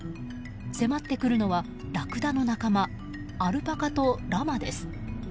迫ってくるのはラクダの仲間アルパカとラマです。